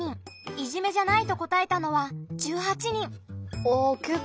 いじめじゃないと答えたのは１８人。